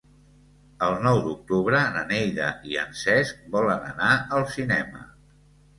El nou d'octubre na Neida i en Cesc volen anar al cinema.